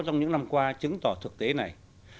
trong những năm qua chứng tỏ thực tế này